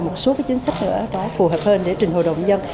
một số cái chính sách nữa đó phù hợp hơn để trình hội đồng dân